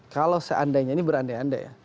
kalau seandainya ini berandai andai ya